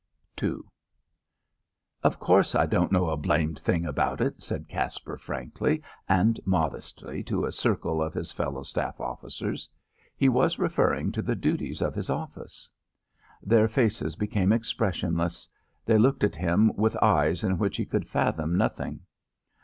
II "Of course I don't know a blamed thing about it," said Caspar frankly and modestly to a circle of his fellow staff officers. He was referring to the duties of his office. Their faces became expressionless; they looked at him with eyes in which he could fathom nothing.